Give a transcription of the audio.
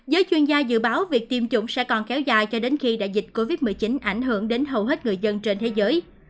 giới chuyên gia dự báo việc tiêm chủng sẽ còn kéo dài cho đến khi đại dịch covid một mươi chín ảnh hưởng đến hầu hết người dân trên thế giới